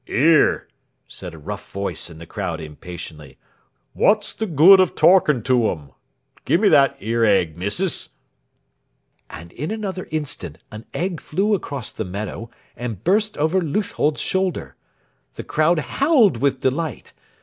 "'Ere," said a rough voice in the crowd impatiently, "wot's the good of torkin' to 'em? Gimme that 'ere egg, missus!" And in another instant an egg flew across the meadow, and burst over Leuthold's shoulder. The crowd howled with delight.